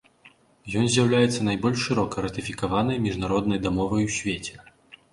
Ён з'яўляецца найбольш шырока ратыфікаванай міжнароднай дамовай у свеце.